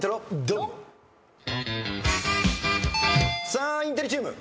さあインテリチーム。